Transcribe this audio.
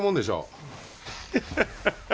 ハハハハ！